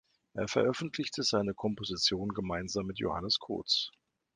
Er veröffentlichte seine Kompositionen gemeinsam mit Johannes Kohtz.